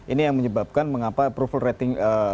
ini yang menyebabkan mengapa approval rating